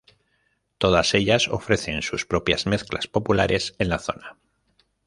Todas ellas ofrecen sus propias mezclas populares en la zona.